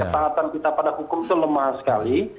ketaatan kita pada hukum itu lemah sekali